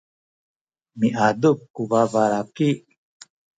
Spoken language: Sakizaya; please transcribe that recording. miadup ku babalaki.